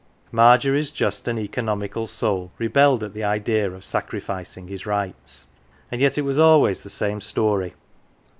Margery's just and economical soul rebelled at the idea of sacrificing his rights, and yet it was always the same story.